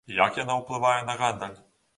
І як яна ўплывае на гандаль?